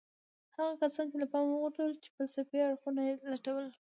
هغه کسان يې له پامه وغورځول چې فلسفي اړخونه يې لټول.